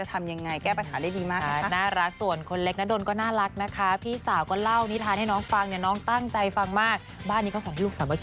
ฟังแล้วเขาก็ว่าเฮ้ยสงสารน้ำตาจะล่วง